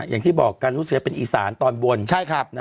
อย่างที่บอกการรู้เสียเป็นอีศาลตอนบนใช่ครับ